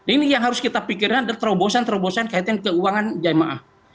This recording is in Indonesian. ini yang harus kita pikirkan terobosan terobosan kaitan keuangan jamaah